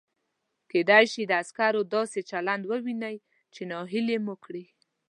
کېدای شي د عسکرو داسې چلند ووینئ چې نهیلي مو کړي.